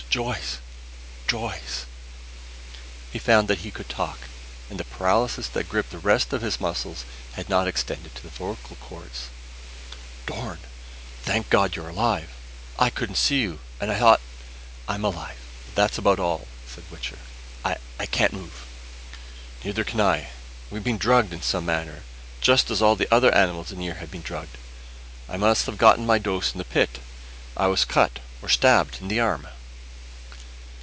"Joyce! Joyce!" He found that he could talk, that the paralysis that gripped the rest of his muscles had not extended to the vocal cords. "Dorn! Thank God you're alive! I couldn't see you, and I thought " "I'm alive, but that's about all," said Wichter. "I I can't move." "Neither can I. We've been drugged in some manner just as all the other animals in here have been drugged. I must have got my dose in the pit. I was cut, or stabbed, in the arm."